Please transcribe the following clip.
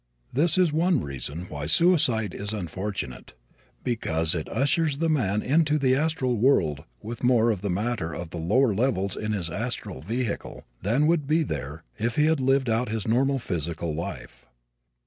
This is one reason why suicide is unfortunate because it ushers the man into the astral world with more of the matter of the lower levels in his astral vehicle than would be there if he had lived out his normal physical life.